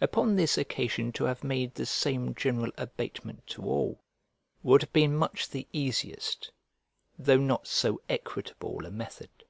Upon this occasion to have made the same general abatement to all would have been much the easiest, though not so equitable a method.